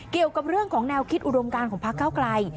เกี่ยวกับเรื่องของแนวคิดอุดมการของพักเก้าไกล